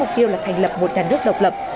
khiêu là thành lập một đàn nước độc lập